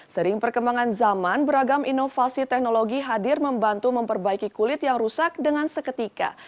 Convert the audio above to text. sering perkembangan zaman beragam inovasi teknologi hadir membantu memperbaiki kulit yang rusak dengan seketika